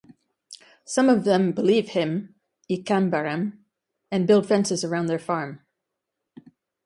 Some of them believe him(Ekambaram) and build fences around their farm.